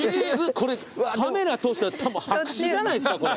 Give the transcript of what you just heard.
これカメラ通したらたぶん白紙じゃないですかこれ。